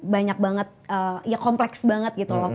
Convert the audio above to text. banyak banget ya kompleks banget gitu loh